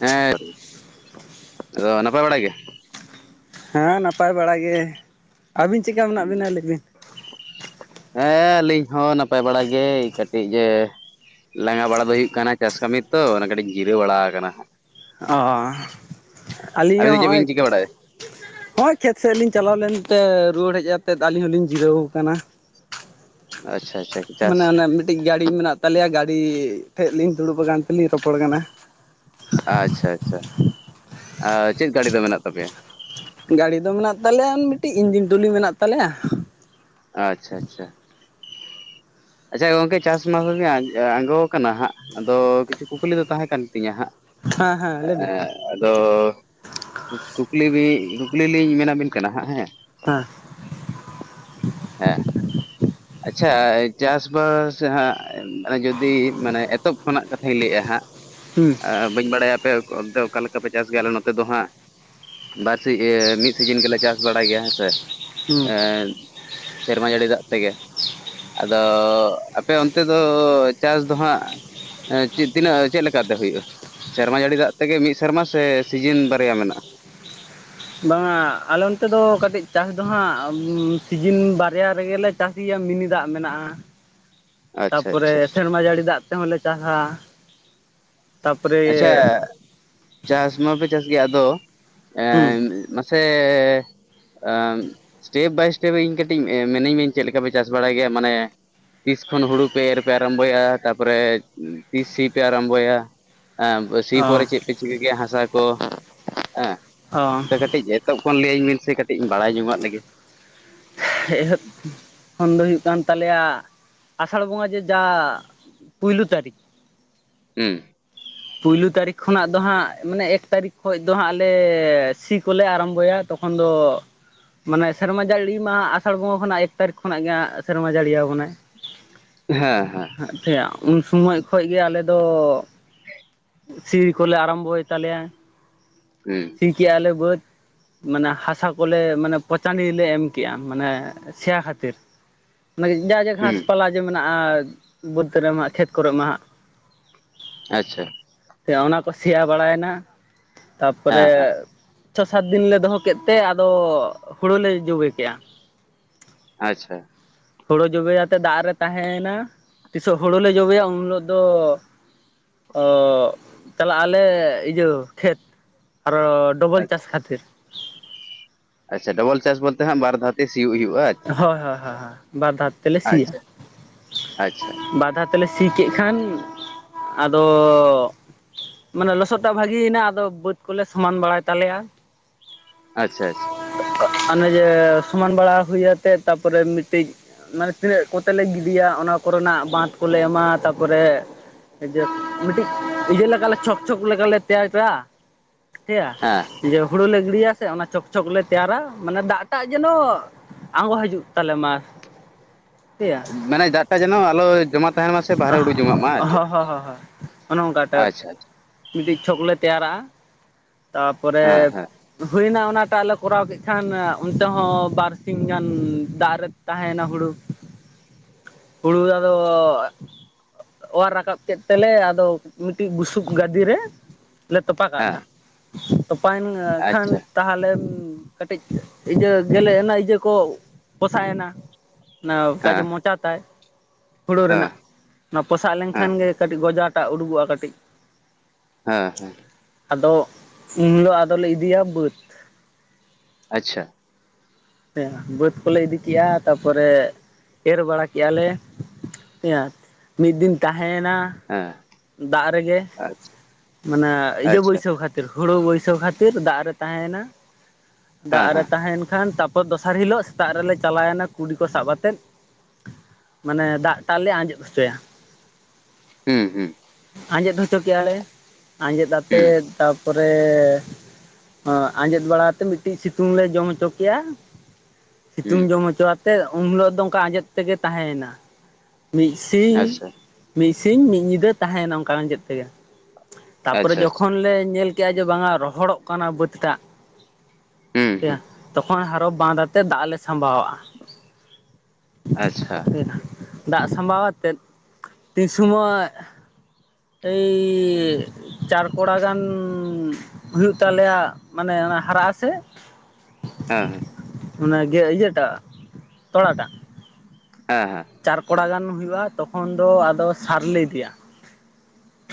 ᱦᱮᱸ, ᱟᱫᱚ ᱱᱟᱯᱟᱭ ᱵᱟᱲᱟ ᱜᱮ? ᱦᱮᱸ ᱱᱟᱯᱟᱭ ᱵᱟᱲᱟ ᱜᱮ, ᱟᱹᱵᱤᱱ ᱪᱮᱜᱠᱟ ᱢᱮᱱᱟᱜ ᱵᱤᱱᱟ ᱞᱟᱹᱭ ᱵᱤᱱ? ᱦᱮᱸ ᱟᱹᱞᱤᱧ ᱦᱚᱸ ᱱᱟᱯᱟᱭ ᱵᱟᱲᱟ ᱜᱮ᱾, ᱠᱟᱹᱴᱤᱡ ᱮ ᱞᱟᱸᱜᱟ ᱵᱟᱲᱟ ᱫᱚ ᱦᱩᱭᱩᱜ ᱠᱟᱱᱟ‌ ᱪᱟᱥ ᱠᱟᱹᱢᱤ ᱛᱚ ᱚᱱᱟ ᱠᱟᱹᱴᱤᱡ ᱡᱤᱨᱟᱹᱣ ᱵᱟᱲᱟ ᱠᱟᱱᱟ ᱦᱟᱸᱜ᱾ ᱚᱻᱟᱹᱞᱤᱧ ᱟᱹᱵᱤᱱ ᱦᱚᱸ ᱫᱚ ᱪᱮᱫ ᱦᱚᱸᱜᱼᱚᱭ ᱵᱤᱱ ᱪᱤᱠᱟᱹ ᱵᱟᱲᱟᱭᱮᱫ? ᱦᱳᱭ ᱠᱷᱮᱛ ᱥᱮᱫ ᱞᱤᱧ ᱪᱟᱞᱟᱣ ᱞᱮᱱᱛᱮ ᱨᱩᱣᱟᱹᱲ ᱦᱮᱡ ᱠᱟᱛᱮᱫ ᱟᱹᱞᱤᱧ ᱦᱚᱸᱞᱤᱧ ᱡᱤᱨᱟᱹᱣ ᱟᱠᱟᱱᱟ᱾ ᱟᱪᱪᱷᱟ ᱟᱪᱪᱷᱟ᱾ ᱪᱟᱥ ᱢᱟᱱᱮ ᱚᱱᱮ ᱢᱤᱫᱴᱤᱡ ᱜᱟᱹᱲᱤ ᱢᱮᱱᱟᱜ ᱛᱟᱞᱮᱭᱟ ᱜᱟᱹᱲᱤ ᱴᱷᱮᱡ ᱞᱤᱧ ᱫᱩᱲᱩᱵ ᱟᱠᱟᱱ ᱛᱮᱞᱤᱧ ᱨᱚᱯᱚᱲ ᱠᱟᱱᱟ᱾ ᱟᱪᱪᱷᱟ ᱟᱪᱪᱷᱟ, ᱟ ᱪᱮᱫ ᱜᱟᱹᱲᱤ ᱫᱚ ᱢᱮᱱᱟᱜ ᱛᱟᱯᱮᱭᱟ? ᱜᱟᱹᱲᱤ ᱫᱚ ᱢᱮᱱᱟᱜ ᱛᱟᱞᱮᱭᱟ ᱢᱤᱫᱴᱤᱡ ᱤᱧᱡᱤᱱ ᱴᱚᱞᱤ ᱢᱮᱱᱟᱜ ᱛᱟᱞᱮᱭᱟ᱾ ᱟᱪᱪᱷᱟ ᱟᱪᱪᱷᱟ, ᱟᱪᱪᱷᱟ ᱜᱚᱝᱠᱮ ᱪᱟᱥ ᱢᱟᱥᱜᱮ [unintelligible] ᱟᱸᱜᱳ ᱠᱟᱱᱟ ᱦᱟᱸᱜ ᱟᱫᱚ ᱠᱤᱪᱷᱩ ᱠᱩᱠᱞᱤ ᱫᱚ ᱛᱟᱦᱮᱸ ᱠᱟᱱ ᱛᱤᱧᱟ ᱦᱟᱸᱜ᱾ ᱦᱮᱸ ᱦᱮᱸ ᱞᱟᱹᱭ ᱵᱤᱱ [unintelligible] ᱟᱫᱚ ᱠᱩᱠᱞᱤ ᱵᱤᱱ, ᱠᱩᱠᱞᱤ ᱞᱤᱧ ᱢᱮᱵᱤᱱ ᱠᱟᱱᱟ ᱦᱟᱸᱜ ᱦᱮᱸ᱾ ᱦᱮᱸ, ᱦᱮᱸ᱾ [inaudible] ᱟᱪᱪᱷᱟ ᱪᱟᱥᱵᱟᱥ ᱦᱟᱸᱜ ᱡᱩᱫᱤ ᱢᱟᱱᱮ ᱮᱛᱚᱦᱚᱵ ᱠᱷᱚᱱᱟᱜ ᱠᱟᱛᱷᱟᱧ ᱞᱟᱹᱭᱮᱜ-ᱟ ᱦᱟᱸᱜ᱾ ᱦᱩᱸ᱾ ᱟ ᱵᱟᱹᱧ ᱵᱟᱲᱟᱭᱟ ᱟᱯᱮ ᱚᱱᱛᱮ ᱚᱠᱟ ᱞᱮᱠᱟ ᱯᱮ ᱪᱟᱥ ᱜᱮᱭᱟ, ᱟᱞᱮ ᱱᱚᱛᱮ ᱫᱚ ᱦᱟᱸᱜ ᱵᱟᱨ ᱥᱤ--ᱮᱸ ᱢᱤᱫ ᱥᱤᱡᱤᱱ ᱜᱮᱞᱮ ᱪᱟᱥ ᱵᱟᱲᱟᱭ ᱜᱮᱭᱟ ᱦᱮᱸᱥᱮ, ᱦᱩᱸ ᱮᱻ ᱥᱮᱨᱢᱟ ᱡᱟᱹᱲᱤ ᱫᱟᱜ ᱛᱮᱜᱮ᱾ ᱟᱫᱚ ᱟᱯᱮ ᱚᱱᱛᱮ ᱫᱚ ᱪᱟᱥ ᱫᱚ ᱦᱟᱸᱜ ᱮᱸ ᱪᱮᱫ ᱛᱤᱱᱟᱹᱜ, ᱪᱮᱫ ᱞᱮᱠᱟ ᱛᱮ ᱦᱩᱭᱩᱜᱼᱟ? ᱥᱮᱨᱢᱟ ᱡᱟᱹᱲᱤ ᱫᱟᱜ ᱛᱮᱜᱮ ᱢᱤᱫ ᱥᱮᱨᱢᱟ ᱥᱮ ᱥᱤᱡᱤᱱ ᱵᱟᱨᱭᱟ ᱢᱮᱱᱟᱜᱼᱟ? ᱵᱟᱝ-ᱟ ᱟᱞᱮ ᱚᱱᱛᱮ ᱫᱚ ᱠᱟᱴᱤᱡ ᱪᱟᱥ ᱫᱚ ᱦᱟᱸᱜ, ᱥᱤᱡᱤᱱ ᱵᱟᱨᱭᱟ ᱨᱮᱜᱮᱞᱮ ᱪᱟᱹᱥᱤᱭᱟᱜ ᱢᱤᱱᱤ ᱫᱟᱜ ᱢᱮᱱᱟᱜᱼᱟ᱾ ᱟᱪᱪᱷᱟ ᱛᱟᱨᱯᱚᱨᱮ ᱟᱪᱪᱷᱟ ᱥᱮᱨᱢᱟ ᱡᱟᱹᱲᱤ ᱫᱟᱜ ᱛᱮᱦᱚᱸᱞᱮ ᱪᱟᱥᱟ᱾ ᱟᱪᱪᱷᱟ ᱛᱟᱯᱚᱨᱮ ᱪᱟᱥ ᱢᱟᱯᱮ ᱪᱟᱥ ᱜᱮᱭᱟ ᱟᱫᱚ ᱚ ᱮᱢᱢ ᱢᱟ ᱥᱮᱻ ᱟᱢᱢ ᱮᱥᱴᱮᱯ ᱵᱟᱭ ᱥᱴᱮᱯ ᱤᱧ ᱠᱟᱹᱴᱤᱡ ᱢᱤᱱᱟᱧ ᱢᱮ ᱪᱮᱫ ᱞᱮᱠᱟ ᱯᱮ ᱪᱟᱥ ᱵᱟᱲᱟᱭ ᱜᱮᱭᱟ, ᱢᱟᱱᱮ ᱛᱤᱥ ᱠᱷᱚᱱ ᱦᱩᱲᱩ ᱯᱮ ᱮᱨ ᱯᱮ ᱟᱨᱟᱢᱵᱚᱭᱟ, ᱛᱟᱯᱚᱨᱮ ᱛᱤᱥ ᱥᱤ ᱯᱮ ᱟᱨᱟᱢᱵᱚᱭᱟ? ᱮᱸ ᱥᱤ ᱯᱚᱨᱮ ᱪᱮᱫ ᱯᱮ ᱪᱤᱠᱟᱹ ᱠᱮᱭᱟ ᱦᱟᱥᱟ ᱠᱚ? ᱚ ᱦᱮᱸ [unintelligible] ᱠᱟᱹᱴᱤᱡ ᱮᱛᱚᱦᱚᱵ ᱠᱷᱚᱱ ᱞᱟᱹᱭ ᱟᱹᱞᱤᱧ ᱵᱤᱱ ᱥᱮ ᱠᱟᱹᱴᱤᱡᱤᱧ ᱵᱟᱲᱟᱭ ᱧᱚᱝᱟᱜ ᱞᱮᱜᱮ᱾ ᱮᱦᱚᱵ ᱠᱷᱚᱱ ᱫᱚ ᱦᱩᱭᱩᱜ ᱠᱟᱱ ᱛᱟᱞᱮᱭᱟ ᱟᱥᱟᱲ ᱵᱚᱸᱜᱟ ᱡᱮ ᱡᱟ ᱯᱩᱭᱞᱩ ᱛᱟᱹᱨᱤᱠᱷ ᱦᱩᱸ ᱯᱩᱭᱞᱩ ᱛᱟᱹᱨᱤᱠᱷ ᱠᱷᱚᱱᱟᱜ ᱫᱚ ᱦᱟᱸᱜ ᱢᱟᱱᱮ ᱮᱠ ᱛᱟᱹᱨᱤᱠᱷ ᱠᱷᱚᱡ ᱫᱚ ᱦᱟᱸᱜ ᱞᱮ ᱥᱤ ᱠᱚᱞᱮ ᱟᱨᱟᱢᱵᱚᱭᱟ ᱛᱚᱠᱷᱚᱱ ᱫᱚ ᱢᱟᱱᱮ ᱥᱮᱨᱢᱟ ᱡᱟᱹᱲᱤ ᱢᱟ ᱟᱥᱟᱲ ᱵᱚᱸᱜᱟ ᱠᱷᱚᱱᱟᱜ ᱮᱠ ᱛᱟᱹᱨᱤᱠᱷ ᱠᱷᱚᱱᱟᱜ ᱜᱮ ᱦᱟᱸᱜ ᱥᱮᱨᱢᱟ ᱡᱟᱹᱲᱤᱭᱟᱵᱚᱱᱟᱭ [inaudible] ᱦᱮᱸ ᱦᱮᱸ [unintelligible] ᱩᱱ ᱥᱚᱢᱚᱭ ᱠᱷᱚᱡ ᱜᱮ ᱟᱞᱮᱫᱚ ᱥᱤ ᱠᱚᱞᱮ ᱟᱨᱟᱢᱵᱚᱭ ᱛᱟᱞᱮᱭᱟ ᱦᱩᱸ ᱥᱤ ᱠᱮᱜ-ᱟ ᱞᱮ ᱵᱟᱹᱫᱽ ᱢᱟᱱᱮ ᱦᱟᱥᱟ ᱠᱚᱞᱮ ᱢᱟᱱᱮ ᱯᱚᱪᱟᱱᱤ ᱨᱮᱞᱮ ᱮᱢ ᱠᱮᱜᱼᱟ, ᱢᱟᱱᱮ ᱥᱮᱭᱟ ᱠᱷᱟᱹᱛᱤᱨ ᱢᱟᱱᱮ ᱡᱟ ᱡᱟ ᱦᱩᱸ ᱜᱷᱟᱥ ᱯᱟᱞᱟ ᱡᱮ ᱢᱮᱱᱟᱜᱼᱟ ᱵᱟᱹᱫᱽ ᱨᱮᱢᱟ ᱠᱷᱮᱛ ᱠᱚᱨᱮ ᱢᱟ ᱦᱟᱸᱜ ᱟᱪᱪᱷᱟ [unintelligible] ᱚᱱᱟ ᱠᱚ ᱥᱮᱭᱟ ᱵᱟᱲᱟᱭᱮᱱᱟ ᱛᱟᱨᱯᱚᱨᱮ ᱦᱮᱸ ᱦᱮᱸ ᱪᱷᱚ ᱥᱟᱛ ᱫᱤᱱ ᱞᱮ ᱫᱚᱦᱚ ᱠᱮᱫ ᱛᱮ ᱟᱫᱚ ᱦᱳᱲᱳ ᱞᱮ ᱡᱚᱵᱮ ᱠᱮᱫᱼᱟ ᱟᱪᱪᱷᱟ ᱦᱳᱲᱳ ᱡᱚᱵᱮᱭᱟᱛᱮ ᱫᱟᱜ ᱨᱮ ᱛᱟᱦᱮᱭ ᱱᱟ ᱛᱤᱥᱚᱜ ᱦᱩᱲᱩᱮ ᱞᱮ ᱡᱚᱵᱮᱭᱟ ᱩᱱ ᱦᱤᱞᱳᱜ ᱫᱚ ᱚ ᱪᱟᱞᱟᱜ ᱟᱞᱮ ᱤᱭᱟᱹ ᱠᱷᱮᱛ ᱟᱨᱚ ᱰᱚᱵᱚᱞ ᱟᱪᱪᱷᱟ ᱪᱟᱥ ᱠᱷᱟᱛᱤᱨ ᱟᱪᱪᱷᱟ ᱰᱚᱵᱚᱞ ᱪᱟᱥ ᱵᱚᱞᱛᱮ ᱦᱟᱜ ᱵᱟᱨ ᱫᱷᱟᱣ ᱛᱮ ᱥᱤᱭᱩᱜ ᱦᱩᱭᱩᱜᱼᱟ᱾ ᱟᱪᱪᱷᱟ ᱦᱳᱭ ᱦᱳᱭ ᱦᱳᱭ ᱵᱟᱨ ᱫᱷᱟᱭ ᱛᱮᱞᱮ ᱥᱤᱭᱟ ᱟᱪᱪᱷᱟ ᱟᱪᱪᱷᱟ ᱵᱟᱨ ᱫᱷᱟᱭ ᱛᱮᱞᱮ ᱥᱤ ᱠᱮᱜ ᱠᱷᱟᱱ ᱟᱫᱚᱼᱼ ᱢᱟᱱᱮ ᱞᱚᱥᱚᱫ ᱫᱟᱜ ᱵᱷᱟᱹᱜᱤᱭᱭᱮᱱᱟ ᱟᱫᱚ ᱵᱟᱹᱫᱽ ᱠᱚᱞᱮ ᱥᱚᱢᱟᱱ ᱵᱟᱲᱟᱭ ᱛᱟᱞᱮᱭᱟ᱾ ᱟᱪᱪᱷᱟ ᱟᱪᱪᱷᱟ᱾ ᱚᱱᱮ ᱡᱮ ᱥᱚᱢᱟᱱ ᱵᱟᱲᱟ ᱦᱩᱭ ᱟᱛᱮᱫ ᱛᱟᱨᱯᱚᱨᱮ ᱢᱤᱫᱴᱤᱡᱼᱼ ᱢᱟᱱᱮ ᱛᱤᱱᱟᱹᱜ ᱠᱚᱛᱮ ᱞᱮ ᱜᱤᱰᱤᱭᱟ ᱚᱱᱟ ᱠᱚᱨᱮᱱᱟᱜ ᱵᱟᱸᱫ ᱠᱚᱞᱮ ᱮᱢᱟ ᱛᱟᱯᱚᱨᱮ᱾ ᱮ ᱢᱤᱫᱴᱤᱡ ᱤᱭᱟᱹ ᱞᱮᱠᱟᱞᱮ ᱪᱷᱚᱠ ᱪᱷᱚᱠ ᱞᱮᱠᱟᱞᱮ ᱛᱮᱭᱟᱨ ᱠᱮᱭᱟ᱾ ᱭᱟ ᱦᱮᱸ ᱡᱮ ᱦᱩᱲᱩ ᱞᱮ ᱜᱤᱲᱤᱭᱟ ᱥᱮ ᱚᱱᱟ ᱪᱷᱚᱠ ᱪᱷᱚᱠ ᱞᱮ ᱛᱮᱭᱟᱨᱟ ᱢᱟᱱᱮ ᱫᱟᱜ ᱴᱟᱜ ᱡᱮᱱᱚ ᱟᱸᱜᱚ ᱦᱤᱡᱩᱜ ᱛᱟᱞᱮ ᱢᱟ᱾ ᱴᱷᱤᱠᱭᱟ ᱢᱟᱱᱮ ᱫᱟᱜ ᱴᱟᱜ ᱡᱮᱱᱚ ᱟᱞᱚ ᱡᱚᱢᱟ ᱛᱟᱦᱮᱱ ᱢᱟ ᱥᱮ ᱵᱟᱦᱨᱮ ᱩᱰᱩᱠ ᱡᱚᱝ ‌ᱟᱜ ᱢᱟ᱾ ᱟᱨ ᱦᱚ ᱪᱮᱫ ᱦᱚ ᱦᱳᱭ᱾ ᱚᱱᱮ ᱚᱱᱠᱟ ᱟᱪᱪᱷᱟ ᱟᱪᱪᱷᱟ ᱢᱤᱫᱴᱤᱡ ᱪᱷᱚᱠ ᱞᱮ ᱛᱮᱭᱟᱨᱟ ᱛᱟᱨᱯᱚᱨᱮ᱾ ᱦᱮᱸ ᱦᱮᱸ ᱦᱩᱭᱱᱟ ᱚᱱᱟᱴᱟᱜ ᱞᱮ ᱠᱚᱨᱟᱣ ᱠᱮᱫ ᱠᱷᱟᱱ ᱚᱱᱛᱮ ᱦᱚᱸ ᱵᱟᱨᱼᱼ ᱥᱤᱧ ᱜᱟᱱ ᱫᱟᱜ ᱨᱮ ᱛᱟᱦᱮᱭᱮᱱᱟ ᱦᱩᱲᱩ᱾ ᱦᱩᱲᱩ ᱨᱮ ᱟᱫᱚ ᱼᱼ ᱚᱣᱟᱨ ᱨᱟᱠᱟᱵ ᱠᱮᱫ ᱛᱮᱞᱮ ᱟᱫᱚ ᱢᱤᱫᱴᱤᱡ ᱵᱩᱥᱩᱵ ᱜᱟᱫᱤᱨᱮᱼᱼ ᱞᱮ ᱛᱚᱯᱟ ᱦᱮᱸ ᱠᱟᱜᱫᱟ ᱛᱚᱯᱟᱭᱮᱱ ᱠᱷᱟᱱ᱾ ᱟᱪᱪᱷᱟ ᱛᱟᱦᱚᱞᱮ ᱠᱟᱹᱴᱤᱡ ᱤᱭᱟᱹ ᱜᱮᱞᱮ ᱮᱱᱟ ᱤᱭᱟᱹ ᱠᱚ ᱯᱚᱥᱟᱜ ᱮᱱᱟ᱾ ᱚᱱᱟ ᱠᱟᱡᱮ ᱦᱮᱸ ᱢᱚᱪᱟ ᱛᱟᱭ᱾ ᱦᱩᱲᱩ ᱦᱮᱸ ᱨᱮᱱᱟᱜ ᱚᱱᱟ ᱯᱚᱥᱟᱜ ᱞᱮᱱᱠᱷᱟᱱ ᱦᱮᱸ ᱜᱮ ᱠᱟᱹᱴᱤᱡ ᱜᱚᱡᱟᱴᱟᱜ ᱩᱰᱩᱠᱚᱜᱼᱟ ᱠᱟᱴᱤᱡ᱾ ᱦᱮᱸ ᱦᱮᱸ᱾ ᱟᱫᱚ ᱩᱱ ᱫᱚ ᱟᱫᱚᱞᱮ ᱤᱫᱤᱭᱟ ᱵᱟᱹᱫᱽ᱾ ᱟᱪᱪᱷᱟ। ᱦᱮᱸ ᱵᱟᱹᱫᱽ ᱠᱚᱞᱮ ᱤᱫᱤ ᱠᱮᱜᱼᱟ ᱛᱟᱨᱯᱚᱨᱮ ᱮᱨ ᱵᱟᱲᱟ ᱠᱮᱜᱼᱟ ᱞᱮ᱾ ᱦᱮᱭᱟ ᱢᱤᱫ ᱫᱤᱱ ᱛᱟᱦᱮᱭᱮᱱᱟ᱾ ᱦᱮᱸ ᱫᱟᱜ ᱨᱮᱜᱮ ᱟᱪᱪᱷᱟ ᱢᱟᱱᱮ ᱤᱭᱟᱹ ᱟᱪᱪᱷᱟ ᱵᱟᱹᱭᱥᱟᱹᱣ ᱠᱷᱟᱼᱼ ᱛᱤᱨᱮ ᱦᱩᱲᱩ ᱵᱟᱹᱭᱥᱟᱹᱣ ᱠᱷᱟᱛᱤᱨ ᱫᱟᱜ ᱨᱮ ᱛᱟᱦᱮᱭᱮᱱᱟ ᱦᱮᱸ ᱫᱟᱜ ᱨᱮ ᱦᱮᱸ ᱛᱟᱦᱮᱭᱮᱱ ᱠᱷᱟᱱ ᱛᱟᱯᱼᱼ ᱯᱚᱨ ᱫᱚᱥᱟᱨ ᱦᱤᱞᱳᱜ ᱥᱮᱛᱟᱜ ᱨᱮᱞᱮ ᱪᱟᱞᱟᱭᱮᱱᱟ ᱠᱩᱰᱤ ᱠᱚ ᱥᱟᱵ ᱟᱛᱮᱫ᱾ ᱢᱟᱱᱮ ᱫᱟᱜᱴᱟᱜ ᱞᱮ ᱟᱡᱮᱫ ᱦᱚᱪᱚᱭᱟ᱾ ᱦᱩᱸ ᱦᱩᱸ᱾ ᱟᱸᱡᱮᱫ ᱦᱚᱪᱚ ᱠᱮᱭᱟ ᱞᱮ ᱟᱡᱮᱫ ᱟᱛᱮ ᱦᱩᱸ ᱛᱟᱼᱼ ᱯᱚᱨᱮ ᱟᱸᱡᱮᱫ ᱵᱟᱲᱟ ᱟᱛᱮ ᱢᱤᱱᱴᱤᱡ ᱥᱤᱛᱩᱝ ᱞᱮ ᱡᱚᱢ ᱦᱚᱪᱚ ᱠᱮᱭᱟ᱾ ᱥᱤᱛᱩᱝ ᱦᱩᱸ ᱡᱚᱢ ᱦᱚᱪᱚ ᱟᱛᱮᱫ ᱩᱱ ᱦᱤᱞᱳᱜ ᱫᱚ ᱚᱱᱠᱟ ᱟᱸᱡᱮᱫ ᱛᱮᱜᱮ ᱛᱟᱦᱮᱸᱭᱮᱱᱟ᱾ ᱢᱤᱫ ᱥᱤᱧ ᱟᱪᱪᱷᱟ ᱢᱤᱫ ᱥᱤᱧ ᱢᱤᱫ ᱧᱤᱫᱟᱹ ᱛᱟᱦᱮᱸᱭᱮᱱᱟ ᱚᱱᱠᱟᱱ ᱟᱡᱮᱫ ᱛᱮᱜᱮ᱾ ᱛᱟᱯᱚᱨᱮ ᱟᱪᱪᱷᱟ ᱟᱪᱪᱷᱟ ᱡᱚᱠᱷᱚᱱ ᱞᱮ ᱧᱮᱞ ᱠᱮᱜᱼᱟ ᱡᱮ ᱵᱟᱝ-ᱟ ᱨᱚᱦᱚᱲᱚᱜ ᱠᱟᱱᱟ ᱵᱟᱹᱫᱽ ᱴᱟᱜᱼᱼ ᱦᱩᱸ ᱦᱩᱸ ᱛᱚᱠᱷᱚᱱ ᱦᱟᱨᱚ ᱵᱟᱸᱫ ᱟᱛᱮ ᱫᱟᱜ ᱞᱮ ᱥᱟᱵᱟᱣᱟᱜᱼᱟ᱾ ᱟᱪᱪᱷᱟ᱾ ᱫᱟᱜ ᱥᱟᱢᱵᱟᱣ ᱟᱛᱮᱫ ᱛᱤ ᱥᱚᱢᱚᱭᱼᱼ ᱮᱭ ᱪᱟᱨ ᱠᱚᱲᱟ ᱜᱟᱱᱼᱼ ᱦᱩᱭᱩᱜ ᱛᱟᱞᱮᱭᱟ ᱢᱟᱱᱮ ᱚᱱᱟ ᱦᱟᱨᱟᱜ ᱟᱥᱮ? ᱦᱮᱸ᱾ ᱚᱱᱟᱜᱮ ᱤᱭᱟᱹᱴᱟᱜ ᱛᱚᱲᱟᱴᱟᱜ᱾ ᱦᱮᱸ ᱦᱮᱸ᱾ ᱪᱟᱨ ᱠᱚᱲᱟ ᱜᱟᱱ ᱦᱩᱭᱩᱜᱼᱟ, ᱛᱚᱠᱷᱚᱱ ᱫᱚ ᱟᱫᱚ ᱥᱟᱨ ᱞᱮ ᱤᱫᱤᱭᱟ᱾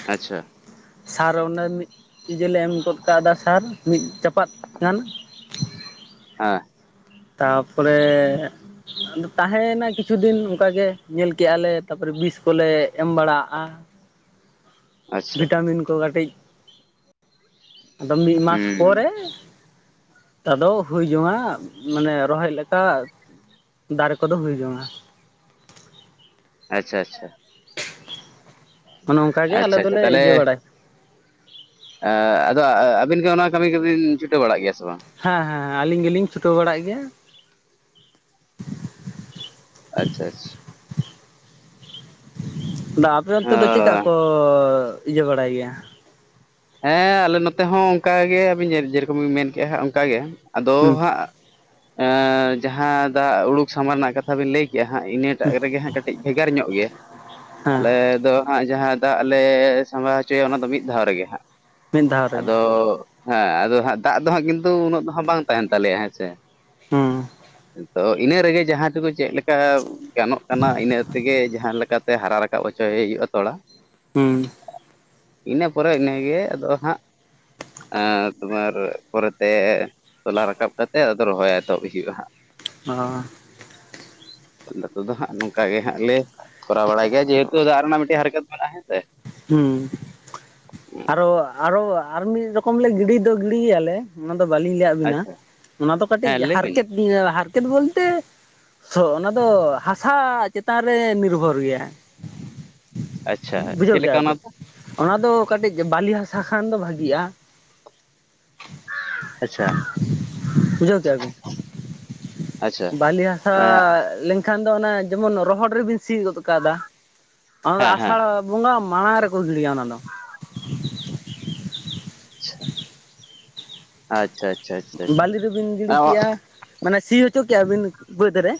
ᱟᱪᱪᱷᱟ᱾ ᱥᱟᱨ ᱚᱱᱮ ᱢᱤᱫ ᱤᱭᱮ ᱞᱮ ᱮᱢ ᱜᱚᱫ ᱠᱟᱣᱫᱟ ᱥᱟᱨ ᱢᱤᱫ ᱪᱟᱯᱟᱫ ᱜᱟᱱ᱾ ᱦᱮᱸ ᱛᱟᱯᱚᱨᱮᱼᱼ ᱛᱟᱦᱮ ᱭᱮᱱᱟ ᱠᱤᱪᱷᱩ ᱫᱤᱱ ᱚᱱᱠᱟᱜᱮ ᱧᱮᱞ ᱠᱮᱜᱼᱟ ᱞᱮ ᱛᱟᱯᱚᱨᱮ ᱵᱤᱥ ᱠᱚᱞᱮ ᱮᱢ ᱵᱟᱲᱟᱜᱼᱟ᱾ ᱵᱷᱤᱴᱟᱢᱤᱱ ᱠᱚ ᱠᱟᱴᱤᱡ, ᱟᱫᱚ ᱢᱤᱫ ᱢᱟᱥ ᱦᱩᱸ ᱯᱚᱨᱮ ᱟᱫᱚ ᱦᱩᱭ ᱡᱚᱝᱼᱟ᱾ ᱢᱟᱱᱮ ᱨᱚᱦᱚᱭ ᱞᱮᱠᱟ ᱫᱟᱨᱮ ᱠᱚᱫᱚ ᱦᱩᱭ ᱡᱚᱝᱼᱟ᱾ ᱟᱪᱪᱷᱟ ᱟᱪᱪᱷᱟ᱾ ᱚᱱᱮ ᱚᱱᱠᱟᱜᱮ ᱟᱞᱮ ᱟᱪᱪᱷᱟ ᱫᱚᱞᱮ ᱛᱟᱦᱚᱞᱮ ᱤᱭᱟᱹ ᱵᱟᱲᱟᱭᱟᱼᱼ ᱟᱫᱚ ᱟᱹᱵᱤᱱ ᱜᱮ ᱚᱱᱟ ᱠᱟᱹᱢᱤ ᱠᱚᱵᱤᱱ ᱪᱷᱩᱴᱟᱹᱣ ᱵᱟᱲᱟᱜ ᱜᱮᱭᱟ ᱥᱮ ᱵᱟᱝ? ᱦᱮᱸ ᱦᱮᱸ ᱟᱞᱤᱧ ᱜᱮᱞᱤᱧ ᱪᱷᱩᱴᱟᱹᱣ ᱵᱟᱲᱟᱜ ᱜᱮᱭᱟ᱾ ᱟᱪᱪᱷᱟ ᱟᱪᱪᱷᱟ᱾ ᱫᱟ ᱟᱯᱮ ᱚᱱᱛᱮ ᱫᱚ ᱪᱮᱫᱠᱟ ᱚ ᱠᱚ ᱤᱭᱟᱹ ᱵᱟᱲᱟᱭ ᱜᱮᱭᱟ᱾ ᱦᱮᱸ ᱟᱞᱮ ᱱᱚᱛᱮ ᱦᱚᱸ ᱚᱱᱠᱟᱜᱮ ᱟᱹᱵᱤᱱ ᱡᱮᱨᱚᱠᱚᱢ ᱵᱤᱱ ᱢᱮᱱ ᱠᱮᱜᱼᱟ ᱦᱟᱜ ᱚᱱᱠᱟᱜᱮ ᱟᱫᱚ ᱦᱮᱸ ᱦᱟᱜᱼᱼ ᱦᱮᱸᱡᱟᱦᱟᱸ ᱫᱟᱜ ᱩᱰᱩᱠ ᱥᱟᱢᱟᱝ ᱨᱮᱱᱟᱜ ᱠᱟᱛᱷᱟ ᱵᱤᱱ ᱞᱟᱹᱭ ᱠᱮᱫᱼᱼ ᱡᱟᱦᱟᱸ ᱤᱱᱟᱹᱴᱟᱜ ᱨᱮᱜᱮ ᱦᱟᱸᱜ ᱠᱟᱹᱴᱤᱡ ᱵᱷᱮᱜᱟᱨ ᱧᱚᱜ ᱜᱮᱭᱟ ᱦᱮᱸ ᱟᱞᱮ ᱫᱚᱼᱼ ᱦᱟᱸᱜ ᱡᱟᱦᱟᱸ ᱫᱟᱜ ᱞᱮ ᱥᱟᱢᱵᱟᱣ ᱦᱚᱪᱚᱭᱟ ᱚᱱᱟ ᱫᱚ ᱢᱤᱫ ᱫᱷᱟᱣ ᱨᱮᱜᱮᱼᱼ ᱢᱤᱫ ᱫᱷᱟᱣ ᱨᱮᱜᱮ ᱟᱫᱚ ᱦᱮᱸ ᱦᱟᱸᱜ ᱫᱟᱜ ᱫᱚ ᱦᱟᱸᱜ ᱠᱤᱱᱛᱩ ᱩᱱᱟᱹᱜ ᱫᱚ ᱦᱟᱜ ᱵᱟᱝ ᱛᱟᱦᱮᱱ ᱛᱟᱞᱮᱭᱟ ᱦᱮᱸ ᱥᱮᱼᱼ ᱦᱩᱸ ᱛᱚ ᱤᱱᱟᱹ ᱨᱮᱜᱮ ᱡᱟᱦᱟᱸ ᱛᱮᱫᱚ ᱪᱮᱫ ᱞᱮᱠᱟ ᱜᱟᱱᱚᱜ ᱠᱟᱱᱟ ᱤᱱᱟᱹ ᱛᱮᱜᱮ ᱡᱟᱦᱟᱸᱞᱮᱠᱟᱼᱼ ᱛᱮ ᱦᱟᱨᱟ ᱨᱟᱠᱟᱵ ᱦᱚᱪᱚᱭᱮ ᱦᱩᱭᱩᱜᱼᱟ ᱛᱚᱲᱟ ᱦᱩᱸ ᱤᱱᱟᱹ ᱯᱚᱨᱮ ᱤᱱᱟᱹᱜᱮ ᱟᱫᱚ ᱦᱟᱸᱜ᱾ ᱮ ᱛᱩᱢᱟᱨ ᱯᱚᱨᱮᱛᱮᱼᱼ ᱛᱚᱞᱟ ᱨᱟᱠᱟᱵ ᱠᱟᱛᱮᱜ ᱟᱫᱚ ᱨᱚᱦᱚᱭ ᱮᱛᱚᱦᱚᱵ ᱦᱩᱭᱩᱜᱼᱟ ᱦᱟᱜ, ᱟᱸ [unintelligible] ᱱᱚᱛᱮ ᱫᱚ ᱦᱜ ᱱᱚᱝᱠᱟ ᱜᱮ ᱦᱟᱸᱜ ᱞᱮ ᱠᱚᱨᱟᱣ ᱵᱟᱲᱟᱭ ᱜᱮᱭᱟ ᱡᱮᱦᱮᱛᱩ ᱫᱟᱜ ᱨᱮᱱᱟᱜ ᱢᱤᱫᱴᱮᱡ ᱦᱟᱨᱠᱮᱛ ᱢᱮᱱᱟᱜᱼᱟ ᱦᱮᱸ ᱥᱮ᱾ ᱦᱩᱸᱻ ᱟᱨᱚ ᱟᱨᱚ ᱟᱨ ᱢᱤᱫ ᱨᱚᱠᱚᱢ ᱞᱮ ᱜᱤᱰᱤ ᱫᱚ ᱜᱤᱰᱤᱜᱮᱭᱟᱞᱮ ᱚᱱᱟ ᱫᱚ ᱵᱟᱞᱤᱧ ᱞᱮᱭᱟᱼᱼ ᱦᱩᱱᱟ ᱟᱪᱪᱷᱟ ᱚᱱᱟ ᱫᱚ ᱠᱟᱹᱴᱤᱡ ᱦᱮᱸ ᱞᱟᱹᱭ ᱵᱤᱱ ᱦᱟᱨᱠᱮᱛ ᱤᱭᱟ ᱦᱟᱨᱠᱮᱛ ᱵᱚᱞᱛᱮᱼᱼ ᱛᱚ ᱚᱱᱟ ᱫᱚ ᱦᱟᱥᱟ ᱪᱮᱛᱟᱱ ᱨᱮ ᱱᱤᱨᱵᱷᱚᱨ ᱜᱮᱭᱟ᱾ ᱟᱪᱪᱷᱟ ᱵᱩᱡᱷᱟᱹᱣ ᱪᱮᱫ ᱞᱮᱠᱟ ᱠᱮᱜᱼᱟ ᱚᱱᱟ ᱵᱮ᱾ ᱫᱚ? ᱚᱱᱟ ᱫᱚ ᱠᱟᱴᱤᱡ ᱵᱟᱞᱤ ᱦᱟᱥᱟ ᱠᱷᱟᱱ ᱫᱚ ᱵᱷᱟᱜᱤᱜᱼᱟ᱾ ᱟᱪᱪᱷᱟ ᱵᱩᱡᱷᱟᱹᱣ ᱠᱮᱜᱼᱟ ᱵᱤᱱ ᱟᱪᱪᱷᱟ ᱵᱟᱞᱤ ᱦᱟᱥᱟ ᱞᱤᱧᱼᱼ ᱮᱱᱠᱷᱟᱱ ᱫᱚ ᱚᱱᱟ ᱡᱮᱢᱚᱱ ᱨᱚᱦᱚᱲ ᱨᱮᱵᱤᱱ ᱥᱤ ᱜᱚᱫ ᱠᱟᱫᱟ ᱚᱱᱟ ᱫᱚ ᱦᱮᱸ ᱦᱮᱸ ᱟᱥᱟᱲᱼᱼ ᱵᱚᱸᱜᱟ ᱢᱟᱲᱟᱝ ᱨᱮᱠᱚ ᱜᱤᱲᱤᱭᱟ ᱚᱱᱟ ᱫᱚ᱾ ᱟᱪᱷᱟ᱾ ᱟᱪᱪᱷᱟᱼᱪᱷᱟ ᱵᱟᱞᱤ ᱫᱳᱵᱤᱱ ᱜᱤᱰᱤ ᱠᱮᱭᱼᱟ᱾ ᱢᱟᱱᱮ ᱥᱤ ᱦᱚᱪᱚ ᱠᱮᱭᱟ ᱵᱤᱱ ᱵᱟᱹᱫ ᱨᱮ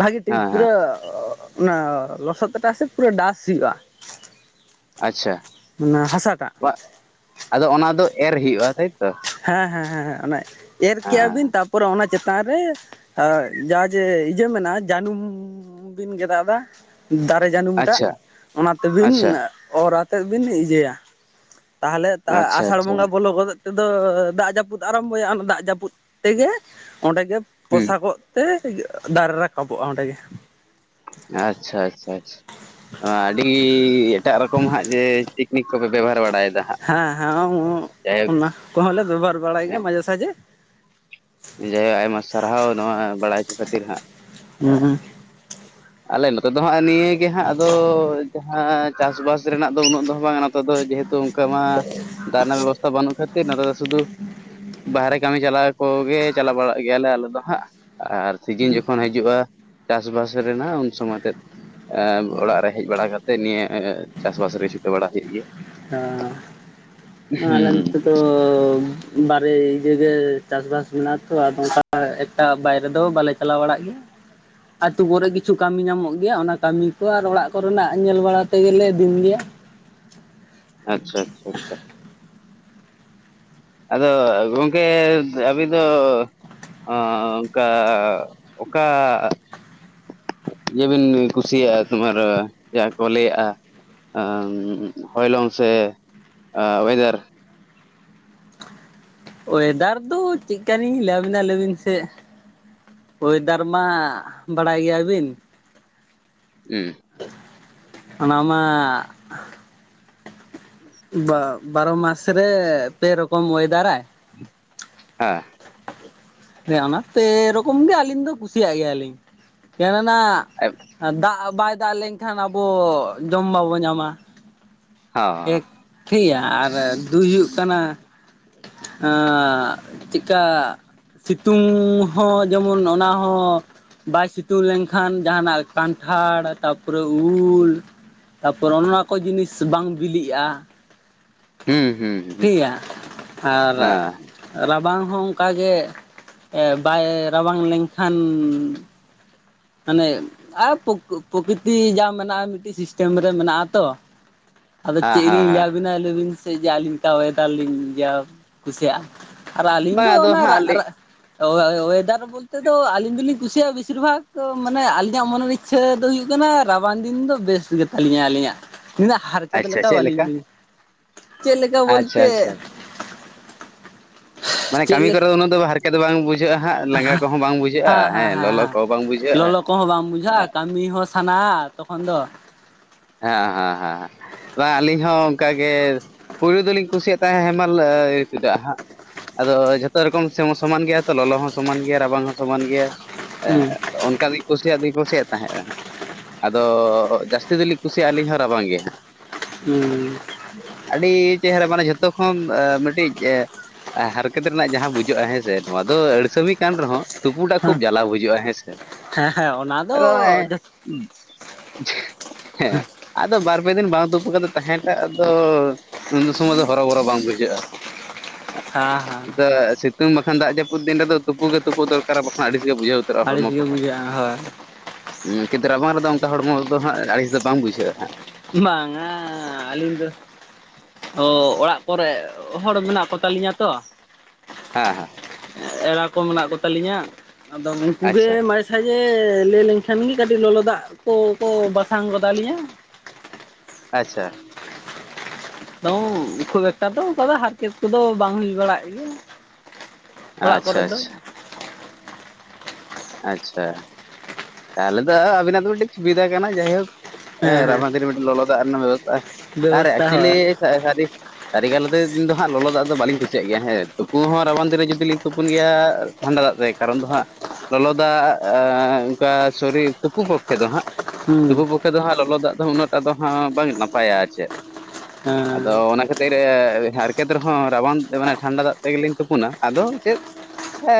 ᱵᱷᱟᱹᱜᱤ ᱴᱷᱤᱠ ᱦᱮᱸ ᱯᱩᱨᱟᱹᱼᱼ ᱚᱱᱟ ᱞᱚᱥᱚᱫ ᱴᱟᱜ ᱥᱮ ᱯᱩᱨᱟᱹ ᱰᱟᱥ ᱥᱤ ᱦᱩᱭᱩᱜᱼᱟ᱾ ᱟᱪᱪᱷᱟ ᱚᱱᱟ ᱦᱟᱥᱟᱴᱟᱜ ᱵᱟᱜ ᱟᱫᱚ ᱚᱱᱟ ᱫᱚ ᱮᱨ ᱦᱩᱭᱩᱜᱼᱟ ᱛᱟᱭᱛᱚ ᱦᱮᱸ ᱦᱮᱸ ᱦᱮᱸᱮᱸ ᱮᱨ ᱠᱮᱭᱟ ᱦᱮᱸ ᱵᱤᱱ ᱛᱟᱯᱼᱼ ᱯᱚᱨᱮ ᱚᱱᱟ ᱪᱮᱛᱟᱱ ᱨᱮ ᱟᱸ ᱡᱟᱸ ᱡᱮ ᱤᱭᱟᱹ ᱢᱮᱱᱟᱜᱼᱟ ᱡᱟᱱᱩᱢ ᱵᱤᱱ ᱜᱮ ᱫᱟᱜ ᱫᱟ ᱫᱟᱨᱮ ᱡᱟᱹᱱᱩᱢᱴᱟᱜ ᱟᱪᱪᱷᱟ ᱚᱱᱟ ᱛᱮᱵᱤᱱ ᱟᱪᱪᱷᱟ ᱚᱨ ᱟᱛᱮᱫ ᱵᱤᱱ ᱤᱭᱟᱹᱭᱟ ᱛᱟᱦᱚᱞᱮ ᱛᱟ ᱟᱪᱪᱷᱟ ᱟᱥᱟᱲ ᱟᱪᱪᱷᱟ ᱵᱚᱸᱜᱟ ᱵᱚᱞᱚ ᱜᱚᱫᱚᱜ ᱛᱮᱫᱚ ᱫᱟᱜ ᱡᱟᱹᱯᱩᱫ ᱟᱨᱟᱢᱵᱚᱭᱟ ᱚᱱᱟ ᱫᱟᱜ ᱡᱟᱹᱯᱩᱫ ᱛᱮᱜᱮ ᱚᱸᱰᱮ ᱜᱮ ᱦᱩᱸ ᱯᱚᱥᱟᱜᱚᱜ ᱛᱮ ᱫᱟᱨᱮ ᱨᱟᱠᱟᱵᱚᱜᱼᱟ ᱚᱸᱰᱮᱜᱮ ᱟᱪᱪᱷᱟ ᱟᱪᱪᱷᱟ ᱟᱪᱪᱷᱟ ᱟᱪ ᱟᱸ ᱟᱹᱰᱤ ᱮᱴᱟᱜ ᱨᱚᱠᱚᱢ ᱦᱟᱸᱜ ᱡᱮ ᱴᱮᱠᱱᱤᱠ ᱠᱚᱯᱮ ᱵᱮᱵᱚᱦᱟᱨ ᱵᱟᱲᱟᱭᱮᱫᱟ ᱦᱟᱸᱜ ᱦᱟᱸ ᱦᱟᱸ [unintelligible] ᱡᱟᱭᱦᱳᱠ ᱚᱱᱟ ᱠᱚᱦᱚᱸ ᱞᱮ ᱵᱮᱵᱚᱦᱟᱨ ᱵᱟᱲᱟᱭ ᱜᱮᱭᱟ ᱢᱟᱡᱷᱮ ᱥᱟᱡᱷᱮ ᱡᱟᱭᱦᱳ ᱟᱭᱢᱟ ᱥᱟᱨᱦᱟᱣ ᱱᱚᱣᱟ ᱵᱟᱲᱟᱭ ᱦᱚᱪᱚ ᱠᱷᱟᱹᱛᱤᱨ ᱦᱟᱸᱜ ᱦᱩᱸ ᱟᱞᱮ ᱱᱚᱛᱮ ᱫᱚ ᱦᱟᱸᱜ ᱱᱤᱭᱟᱹ ᱜᱮ ᱦᱟᱸᱜ ᱟᱫᱚ ᱡᱟᱦᱟᱸ ᱪᱟᱥ ᱵᱟᱥ ᱨᱮᱱᱟᱜ ᱫᱚ ᱩᱱᱟᱹᱜ ᱫᱚ ᱵᱟᱝᱟ ᱱᱚᱛᱮ ᱫᱚ ᱡᱮᱦᱳᱛᱩ ᱚᱱᱠᱟ ᱢᱟᱸ ᱫᱟᱜ ᱨᱮᱱᱟᱜ ᱵᱮᱵᱚᱥᱛᱷᱟ ᱵᱟᱹᱱᱩᱜ ᱠᱷᱟᱹᱛᱤᱨ ᱱᱚᱛᱮ ᱫᱚ ᱥᱩᱫᱷᱩ ᱵᱟᱦᱨᱮ ᱠᱟᱢᱤ ᱪᱟᱞᱟᱣ ᱠᱚᱜᱮ ᱪᱟᱞᱟᱣ ᱵᱟᱲᱟᱜ ᱜᱮᱭᱟᱞᱮ ᱟᱞᱮ ᱫᱚ ᱦᱟᱸᱜ ᱟᱨ ᱥᱤᱡᱤᱱ ᱡᱚᱠᱷᱚᱱ ᱦᱟᱹᱡ ᱡᱩᱜᱼᱟ ᱪᱟᱥᱵᱟᱥ ᱨᱮᱱᱟᱜ ᱩᱱ ᱥᱚᱢᱚᱭ ᱛᱮᱫ ᱮᱸ ᱚᱲᱟᱜ ᱨᱮ ᱦᱮᱡ ᱵᱟᱲᱟ ᱠᱟᱛᱮᱜ ᱱᱤᱭᱟᱹ ᱪᱟᱥᱵᱟᱥ ᱨᱮ ᱪᱷᱩᱴᱟᱹ ᱵᱟᱲᱟ ᱦᱩᱭᱩᱜ ᱜᱮᱭᱟ ᱟ ᱟᱸᱟᱞᱮ ᱦᱩᱸ ᱱᱚᱛᱮ ᱫᱚ ᱵᱟᱨᱮ ᱤᱭᱟᱹ ᱜᱮ ᱪᱟᱥᱵᱟᱥ ᱢᱮᱱᱟᱜ ᱛᱚ ᱟᱫᱚ ᱚᱝᱠᱟ ᱮᱠᱴᱟ ᱵᱟᱭᱨᱮ ᱫᱚ ᱵᱟᱞᱮ ᱪᱟᱞᱟᱣ ᱵᱟᱲᱟᱜ ᱜᱮᱭᱟ ᱟᱛᱩ ᱠᱚᱨᱮ ᱠᱤᱪᱷᱩ ᱠᱟᱢᱤ ᱧᱟᱢᱚᱜ ᱜᱮᱭᱟ ᱚᱱᱟ ᱠᱟᱢᱤ ᱠᱚ ᱟᱨ ᱚᱲᱟᱜ ᱠᱚᱨᱮᱱᱟᱜ ᱧᱮᱞ ᱵᱟᱲᱟ ᱛᱮᱜᱮᱞᱮ ᱫᱤᱱ ᱜᱮᱭᱟ ᱟᱪᱪᱷᱟ ᱟᱪᱪᱷᱟ ᱟᱪᱪᱷᱟ ᱪᱷᱟ ᱟᱫᱚ ᱜᱚᱝᱠᱮ ᱟᱹᱵᱤᱱ ᱫᱚ ᱳ ᱠᱟᱸ ᱚᱠᱟ ᱤᱭᱟᱹᱵᱤᱱ ᱠᱩᱥᱤᱭᱟᱜᱼᱟ ᱛᱳᱢᱟᱨ ᱡᱟᱦᱟᱸ ᱠᱚ ᱞᱟᱹᱭᱟᱜᱼᱟ ᱟᱸ ᱦᱚᱭᱞᱚᱝ ᱥᱮ ᱳᱭᱮᱫᱟᱨ ᱚᱭᱮᱫᱟᱨ ᱫᱚ ᱪᱮᱫᱠᱟᱞᱤᱧ ᱞᱮᱭᱟᱵᱤᱱᱟ ᱞᱮᱭᱵᱤᱱ ᱥᱮ ᱳᱭᱮᱫᱟᱨ ᱢᱟ ᱵᱟᱲᱟᱭ ᱜᱮᱭᱟ ᱵᱤᱱ ᱦᱩᱸ ᱚᱱᱟᱢᱟᱸ ᱵᱟ ᱵᱟᱨᱚ ᱢᱟᱥ ᱨᱮ ᱯᱮ ᱨᱚᱠᱚᱢ ᱳᱭᱮᱫᱟᱨᱟᱭ ᱟᱸ ᱦᱮᱸ ᱚᱱᱟ ᱯᱮ ᱨᱚᱠᱚᱢ ᱜᱮ ᱟᱞᱤᱧ ᱫᱚ ᱠᱩᱥᱤᱭᱟᱜ ᱜᱮᱭᱟᱞᱤᱧ ᱠᱮᱱᱮᱱᱟᱜ ᱦᱮᱸ ᱫᱟᱜ ᱵᱟᱭ ᱫᱟᱜ ᱞᱮᱱᱠᱷᱟᱱ ᱟᱵᱚ ᱡᱚᱢ ᱵᱟᱵᱚ ᱧᱟᱢᱟ ᱮᱠ ᱴᱷᱤᱭᱟ ᱟᱨ ᱫᱩᱭ ᱦᱩᱭᱩᱜ ᱠᱟᱱᱟ ᱟᱸᱻᱪᱮᱫᱠᱟ ᱥᱤᱛᱩᱝ ᱦᱚᱸ ᱡᱮᱢᱚᱱ ᱚᱱᱟ ᱦᱚᱸ ᱵᱟᱭ ᱥᱤᱛᱩᱝ ᱞᱮᱱᱠᱷᱟᱱ ᱡᱟᱦᱟᱸᱱᱟᱜ ᱠᱟᱱᱴᱷᱟᱲ ᱛᱟᱨᱯᱩᱨᱮ ᱩᱞ ᱛᱟᱯᱚᱨ ᱚᱱ ᱚᱱᱟ ᱠᱚ ᱡᱤᱱᱤᱥ ᱵᱟᱝ ᱵᱤᱞᱤᱜᱼᱟ, ᱦᱩᱸ ᱦᱩᱸ ᱴᱷᱤᱭᱟ ᱟᱨ ᱦᱮᱸ ᱨᱟᱵᱟᱝ ᱦᱚᱸ ᱚᱱᱠᱟ ᱜᱮ ᱮᱸ ᱵᱟᱭ ᱨᱟᱵᱟᱝ ᱞᱮᱱᱠᱷᱟᱱ ᱢᱟᱱᱮ ᱟᱨ ᱯᱩᱠᱼᱯᱨᱚᱠᱤᱛᱤ ᱡᱟ ᱢᱮᱱᱟᱜᱼᱟ ᱢᱤᱫᱴᱤᱡ ᱥᱤᱥᱴᱮᱢ ᱨᱮ ᱢᱮᱱᱟᱜᱼᱟ ᱛᱚ ᱟᱫᱚ ᱦᱮᱸ ᱪᱮᱫ ᱞᱤᱧ ᱞᱟᱹᱭ ᱦᱮᱸ ᱟᱵᱤᱱᱟ ᱞᱟᱹᱭ ᱵᱤᱱ ᱥᱮ ᱡᱮ ᱟᱹᱞᱤᱧ ᱪᱮᱫ ᱠᱟ ᱳᱭᱮᱫᱟᱨ ᱞᱤᱧ ᱤᱭᱟᱹ ᱠᱩᱥᱤᱭᱟᱜᱼᱟ᱾ ᱟᱨ ᱟᱹᱞᱤᱧ ᱵᱟᱝ ᱫᱚ ᱟᱫᱚ ᱚᱱᱟ ᱦᱟᱸᱜ ᱨᱟᱜ, ᱞᱟᱹᱭ ᱨᱟ ᱚᱭᱮᱫᱟᱨ ᱵᱚᱞᱛᱮ ᱫᱚ ᱟᱹᱞᱤᱧ ᱫᱚᱞᱤᱧ ᱠᱩᱥᱤᱭᱟᱜᱼᱟ ᱵᱮᱥᱤᱨ ᱵᱷᱟᱜᱽ ᱛᱚ ᱢᱟᱱᱮ ᱟᱹᱞᱤᱧᱟᱜ ᱢᱚᱱᱮᱨ ᱤᱪᱪᱷᱟᱹ ᱫᱚ ᱦᱩᱭᱩᱜ ᱠᱟᱱᱟ, ᱨᱟᱵᱟᱝ ᱫᱤᱱ ᱫᱚ ᱵᱮᱥ ᱜᱮ ᱛᱟᱞᱤᱧᱟ ᱟᱹᱞᱤᱧᱼᱟᱜ᱾ [unintelligible] ᱦᱟᱨᱠᱮᱛ ᱟᱪᱪᱷᱟ ᱞᱮᱠᱟ ᱪᱮᱫ ᱵᱟᱹᱞᱤᱧ [unintelligible] ᱪᱮᱫ ᱞᱮᱠᱟ ᱟᱪᱪᱷᱟ ᱟᱪᱪᱷᱟ ᱵᱚᱞᱛᱮ ᱢᱟᱱᱮ ᱪᱮᱫ ᱠᱟᱹᱢᱤ ᱞᱮᱠᱟ ᱠᱚᱨᱮ ᱫᱚ ᱩᱱᱟᱹᱜ ᱫᱚ ᱦᱟᱨᱠᱮᱛ ᱫᱚ ᱵᱟᱝ ᱵᱩᱡ ᱵᱩᱡᱷᱟᱹᱜᱼᱟ ᱦᱟᱸᱜ, ᱞᱟᱸᱜᱟ ᱠᱚᱦᱚᱸ ᱵᱟᱝ ᱵᱩᱡᱷᱟᱹᱜᱼᱟ, ᱦᱮᱸ ᱞᱚᱞᱚ ᱠᱚᱦᱚᱸ ᱵᱟᱝ ᱵᱩᱡᱷᱟᱹᱜᱼᱟ, ᱟ ᱩᱱᱤ ᱦᱚᱸ ᱥᱟᱱᱟ ᱛᱚᱠᱷᱚᱱ ᱫᱚ, ᱦᱮᱸᱭ, ᱦᱮᱸ ᱦᱮᱸ ᱦᱮᱸ, ᱵᱟᱝ ᱟ ᱟᱹᱞᱤᱧ ᱦᱚᱸ ᱚᱸᱠᱟᱜᱮ, ᱯᱩᱭᱞᱩ ᱫᱚᱞᱤᱧ ᱠᱩᱥᱤᱭᱟᱜ ᱛᱟᱦᱮᱸᱫ ᱦᱮᱢᱟᱞ ᱮᱻᱮ ᱛᱟᱜ ᱦᱟᱸᱜ᱾ ᱟᱫᱚ ᱡᱷᱚᱛᱚ ᱨᱚᱠᱚᱢ ᱥᱮᱢ ᱦᱚᱸ ᱥᱚᱢᱟᱱ ᱜᱮᱭᱟ ᱛᱚ, ᱞᱚᱞᱚ ᱦᱚᱸ ᱥᱚᱢᱟᱱ ᱜᱮᱭᱟ ᱨᱟᱵᱟᱝ ᱦᱚᱸ ᱥᱚᱢᱟᱱ ᱜᱮᱭᱟ᱾ ᱮᱸᱜ ᱦᱩᱸ ᱚᱱᱠᱟ ᱫᱩᱧ ᱠᱩᱥᱤᱭᱟᱜ ᱫᱤᱧ ᱠᱩᱥᱤᱭᱟᱜ ᱛᱟᱦᱮᱸᱫᱼᱟ, ᱟᱫᱚ ᱡᱟᱹᱥᱛᱤ ᱫᱚᱞᱤᱧ ᱠᱩᱥᱤᱭᱟᱜᱼᱟ ᱟᱹᱞᱤᱧ ᱦᱚᱸ ᱨᱟᱵᱟᱝ ᱜᱮ ᱦᱟᱸᱜ᱾ ᱦᱩᱸᱻ ᱟᱹᱰᱤ ᱪᱮᱦᱨᱟ ᱢᱟᱱᱮ ᱡᱷᱚᱛᱚ ᱠᱷᱚᱱ ᱮᱸ ᱢᱤᱫᱴᱤᱡ ᱮ ᱟ ᱦᱟᱨᱠᱮᱛ ᱨᱮᱱᱟᱜ ᱡᱟᱦᱟᱸ ᱵᱩᱡᱽ ᱚᱜᱼᱟ, ᱦᱮᱸ ᱥᱮ ᱱᱚᱣᱟ ᱫᱚ ᱟᱹᱲᱥᱟᱹᱢᱤ ᱠᱟᱱ ᱨᱮᱦᱚᱸ, ᱛᱩᱯᱩ ᱴᱟᱜ ᱠᱷᱩᱵ ᱡᱟᱞᱟ ᱵᱩᱡᱽ ᱚᱜᱼᱟ ᱦᱮᱸ ᱥᱮ, ᱦᱮᱸ ᱦᱮᱸ ᱚᱱᱟ ᱫᱚ ᱟᱫᱚ ᱡᱚᱛ [unintelligible] ᱦᱮᱸ, ᱟᱫᱚ ᱵᱟᱨ ᱯᱮ ᱫᱤᱱ ᱵᱟᱝ ᱛᱩᱯᱩ ᱠᱟᱛᱮ ᱛᱟᱦᱮᱸ ᱴᱟᱜ ᱫᱚ ᱩᱱ ᱫᱚ ᱥᱩᱢᱚ ᱫᱚ ᱦᱚᱨᱚᱵᱚᱨᱚ ᱵᱟᱝ ᱵᱩᱡᱷᱟᱹᱜᱼᱟ᱾ [inaudible] ᱦᱟᱸ ᱦᱟᱸ᱾ ᱟ ᱥᱤᱛᱩᱝ ᱵᱟᱠᱷᱟᱱ ᱫᱟᱜ ᱡᱟᱹᱯᱤᱫ ᱫᱤᱱ ᱨᱮᱫᱚ ᱛᱩᱯᱩ ᱜᱮ ᱛᱩᱯᱩᱜ ᱫᱚᱨᱠᱟᱨᱟ ᱵᱟᱠᱷᱟᱱ ᱟᱹᱲᱤᱥ ᱜᱮ ᱵᱩᱡᱷᱟᱹᱣ ᱛᱟᱹᱨᱚᱜᱼᱟ ᱟᱹᱲᱤᱥ ᱦᱚᱲᱢᱚ ᱜᱮ ᱠᱚᱦᱚᱸ, ᱵᱩᱡᱷᱟᱹᱜᱼᱟ ᱦᱳᱭ ᱩᱸᱻᱠᱤᱛ ᱨᱟᱵᱟᱝ ᱨᱮᱫᱚ ᱚᱱᱠᱟ ᱦᱚᱲᱢᱚ ᱨᱮᱫᱚ ᱦᱟᱸᱜ ᱟᱹᱲᱤᱥ ᱫᱮ ᱵᱟᱝ ᱵᱩᱡᱷᱟᱹᱜᱼᱟ ᱦᱟᱸᱜ, ᱵᱟᱝᱻ ᱟ ᱟᱹᱞᱤᱧ ᱫᱚ ᱚᱻ ᱚᱲᱟᱜ ᱠᱚᱨᱮᱜ ᱦᱚᱲ ᱢᱮᱱᱟᱜ ᱠᱚ ᱛᱟᱞᱤᱧᱟ ᱛᱚ᱾ ᱦᱮᱸ ᱦᱮᱸ᱾ ᱮᱻᱮᱨᱟ ᱠᱚ ᱢᱮᱱᱟᱜ ᱠᱚ ᱛᱟᱞᱤᱧᱟ, ᱟᱫᱚ ᱩᱱᱠᱩ ᱜᱮ ᱟᱪᱪᱷᱟ ᱢᱟᱹᱤᱥ ᱠᱟᱹᱪ ᱮᱻᱞᱟᱹᱭ ᱞᱮᱱ ᱠᱷᱟᱱ ᱜᱮ, ᱠᱟᱹᱴᱤᱡ ᱞᱚᱞᱚ ᱫᱟᱜ ᱠᱚ ᱠᱚ ᱵᱟᱥᱟᱝ ᱜᱚᱫ ᱟᱹᱞᱤᱧᱟ᱾ ᱟᱪᱪᱷᱟ᱾ ᱛᱚᱝ ᱩᱱᱠᱩ ᱣᱮᱠᱴᱟᱨ ᱫᱚ ᱚᱱᱠᱩᱣᱟᱜ ᱫᱚ ᱦᱟᱨᱠᱮᱛ ᱠᱚᱫᱚ ᱵᱟᱝ ᱦᱩᱭ ᱵᱟᱲᱟᱜ ᱜᱮᱭᱟ᱾ ᱚᱲᱟᱜ ᱟᱻᱪᱪᱷᱟ ᱠᱚᱨᱮ ᱫᱚ ᱟᱪᱪᱷᱟ᱾ ᱟᱪᱪᱷᱟ, ᱛᱟᱦᱚᱞᱮ ᱫᱚ ᱟᱹᱻᱟᱹᱵᱤᱱᱟᱜ ᱫᱚ ᱢᱤᱫᱴᱤᱡ ᱥᱩᱵᱤᱫᱷᱟ ᱠᱟᱱᱟ, ᱡᱟᱭᱦᱳᱠ᱾ ᱦᱮᱸ ᱨᱟᱵᱟᱝ ᱢᱤᱫᱴᱤᱡ ᱞᱚᱞᱚ ᱫᱟᱜ ᱨᱮᱱᱟᱜ ᱵᱮᱵᱚᱥᱛᱟ ᱟᱨ ᱵᱮᱵᱚᱥᱛᱷᱟ ᱮᱠᱪᱚᱞᱤᱻ ᱦᱳᱭ ᱥᱟᱹ ᱥᱟᱹᱨᱤ ᱠᱟᱹᱨᱤᱜᱟᱞ ᱟᱛᱮᱫ ᱫᱚ ᱦᱟᱸᱜ ᱞᱚᱞᱚ ᱫᱟᱜ ᱫᱚ ᱵᱟᱹᱞᱤᱧ ᱠᱩᱥᱤᱭᱟᱜ ᱜᱮᱭᱟ ᱦᱮᱸ ᱛᱩᱯᱩ ᱦᱚᱸ ᱨᱟᱵᱟᱝ ᱫᱤᱱ ᱨᱮ ᱡᱩᱫᱤ ᱞᱤᱧ ᱛᱩᱯᱩᱱ ᱜᱮᱭᱟ ᱴᱷᱟᱱᱰᱟ ᱫᱟᱜ ᱛᱮᱜᱮ ᱠᱟᱨᱚᱱ ᱫᱚ ᱦᱟᱸᱜ ᱞᱚᱞᱚ ᱫᱟᱜ ᱟᱻ ᱚᱸᱠᱟ ᱥᱚᱨᱤ ᱛᱩᱯᱩ ᱠᱚᱜᱼ ᱠᱷᱮ ᱫᱚ ᱦᱟᱸᱜ, ᱛᱩᱯᱩ ᱦᱩᱸ ᱵᱩᱠ- ᱠᱷᱮ ᱦᱟᱸᱜ ᱞᱚᱞᱚ ᱫᱟᱜ ᱫᱚ ᱩᱱᱟᱹᱜ ᱴᱟᱜ ᱫᱚ ᱦᱟᱸᱜ ᱵᱟᱝ ᱱᱟᱯᱟᱭᱟ ᱟᱨ ᱪᱮᱫ? ᱦᱮᱸ ᱟᱫᱚ ᱚᱱᱟ ᱠᱷᱟᱹ- ᱛᱮ ᱨᱮ ᱦᱟᱨᱠᱮᱛ ᱨᱮᱦᱚᱸ ᱨᱟᱵᱟᱸᱫ ᱢᱟᱱᱮ ᱴᱷᱟᱱᱰᱟ ᱫᱟᱜ ᱛᱮᱜᱮ ᱞᱤᱧ ᱛᱩᱯᱩᱱᱟ ᱟᱫᱚ ᱪᱮᱫ, ᱮ,